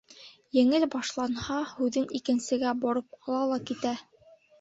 Еңелә башлаһа, һүҙен икенсегә бороп ала ла китә.